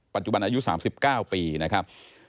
ปัจจุบันอายุ๓๙ปีนะครับ